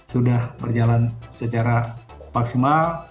sudah berjalan secara maksimal